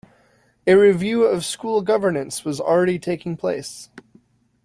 A review of school governance was already taking place.